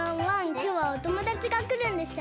きょうはおともだちがくるんでしょ？